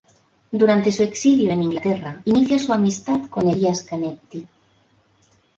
Durante su exilio en Inglaterra inicia su amistad con Elias Canetti.